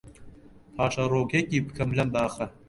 پاشەرۆکێکی بکەم لەم باخە